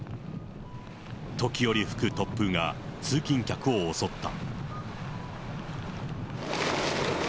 時折吹く突風が通勤客を襲った。